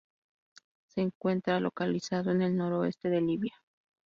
Se encuentra localizado en el noroeste de Libia.